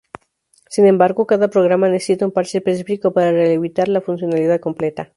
Sin embargo, cada programa necesita un parche específico para habilitar la funcionalidad completa.